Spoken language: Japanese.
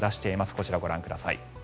こちらご覧ください。